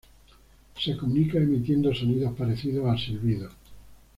Se comunica emitiendo sonidos parecidos a silbidos.